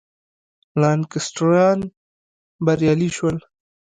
لانکسټریان بریالي شول.